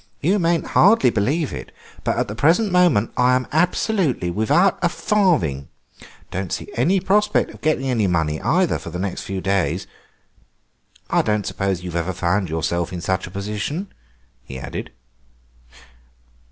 You mayn't hardly believe it, but at the present moment I am absolutely without a farthing. Don't see any prospect of getting any money, either, for the next few days. I don't suppose you've ever found yourself in such a position," he added.